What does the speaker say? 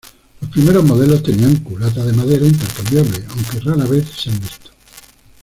Los primeros modelos tenían culata de madera intercambiable, aunque rara vez se han visto.